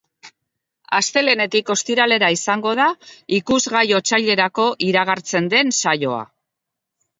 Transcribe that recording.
Astelehenetik ostiralera izango da ikusgai otsailerako iragartzen den saioa.